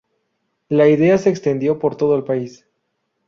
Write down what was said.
La idea se extendió por todo el país.